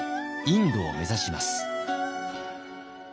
インドを目指します。